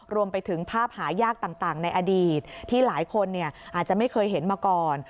รวมไปถึงภาพหายากต่างในอดีตที่หลายคนอาจจะไม่เคยเห็นมาก่อน